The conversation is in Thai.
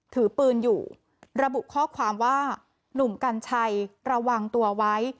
ถือปืนอยู่ระบุข้อความว่าหนุ่มกัญชัยระวังตัวไว้